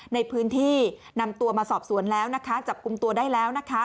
ในพื้นที่นำตัวมาสอบสวนแล้วนะคะจับกลุ่มตัวได้แล้วนะคะ